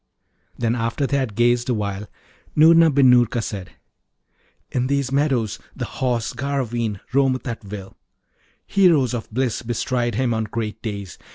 Then, after they had gazed awhile, Noorna bin Noorka said, 'In these meadows the Horse Garraveen roameth at will. Heroes of bliss bestride him on great days.